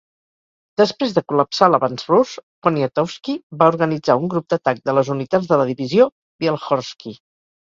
Després de col·lapsar l'avanç rus, Poniatowski va organitzar un grup d'atac de les unitats de la divisió Wielhorski.